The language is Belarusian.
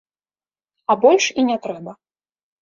А больш і не трэба.